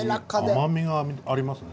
甘みがありますね。